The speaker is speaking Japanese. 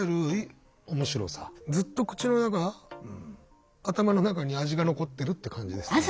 ずっと口の中頭の中に味が残ってるって感じですね。